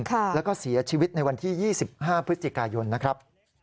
แล้วก็เสียชีวิตในวันที่๒๕พฤศจิกายนนะครับ